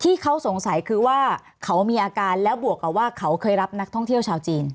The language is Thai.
ที่เขาสงสัยคือว่าเขามีอาการแล้วบวกกับว่าเขาเคยรับนักท่องเที่ยวชาวจีน